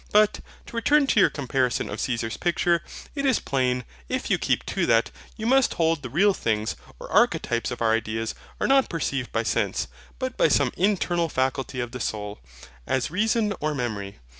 But, to return to your comparison of Caesar's picture, it is plain, if you keep to that, you must hold the real things, or archetypes of our ideas, are not perceived by sense, but by some internal faculty of the soul, as reason or memory.